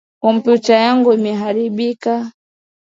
Kompyuta yangu inaaribika